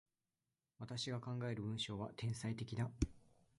私が考える文章は、天才的だ。